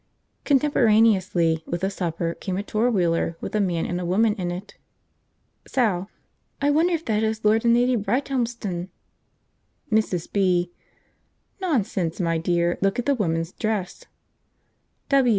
Contemporaneously with the supper came a four wheeler with a man and a woman in it. Sal. "I wonder if that is Lord and Lady Brighthelmston?" Mrs. B. "Nonsense, my dear; look at the woman's dress."